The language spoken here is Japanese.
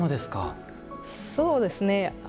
そうですね。